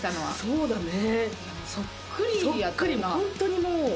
そうだね。